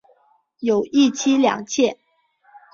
有一妻两妾。